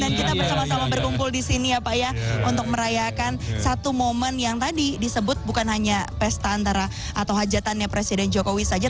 dan kita bersama sama berkumpul di sini ya pak ya untuk merayakan satu momen yang tadi disebut bukan hanya pesta antara atau hajatannya presiden jokowi saja